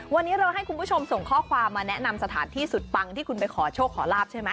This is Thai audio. วันนี้เราให้คุณผู้ชมส่งข้อความมาแนะนำสถานที่สุดปังที่คุณไปขอโชคขอลาบใช่ไหม